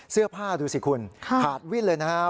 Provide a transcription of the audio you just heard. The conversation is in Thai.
เสื้อผ้าดูสิคุณขาดวิ่นเลยนะครับ